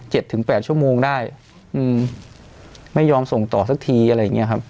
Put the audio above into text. ถึงแปดชั่วโมงได้อืมไม่ยอมส่งต่อสักทีอะไรอย่างเงี้ยครับ